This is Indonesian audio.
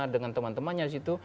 dengan teman temannya disitu